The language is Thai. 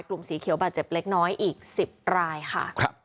สีเขียวบาดเจ็บเล็กน้อยอีก๑๐รายค่ะ